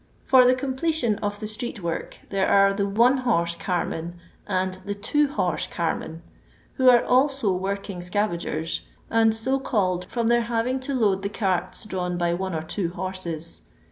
For the completion of the street work there are the one horse carmen and the two hor^ carmen, who are also working scavagers, and so called from their having to load the carts drawn by one or two horses.